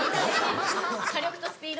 火力とスピード。